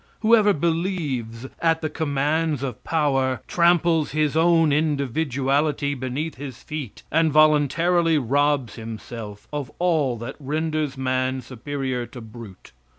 Whoever believes, at the commands of power, tramples his own individuality beneath his feet, and voluntarily robs himself of all that renders man superior to brute.